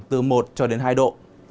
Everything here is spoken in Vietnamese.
từ một cho đến hai độ